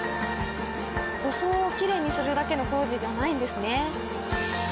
装をきれいにするだけの工事じゃないんですね。